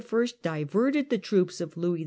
diverted the troops of Louis VI.